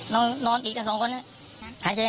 น้องนอนอีกกับสองคนนะฮะ